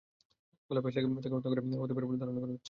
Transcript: গলায় ফাঁস লাগিয়ে তাঁকে হত্যা করা হতে পারে বলে ধারণা করা হচ্ছে।